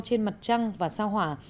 trên mặt trăng và sao hỏa